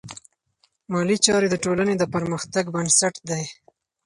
مالي چارې د ټولنې د پرمختګ بنسټ دی.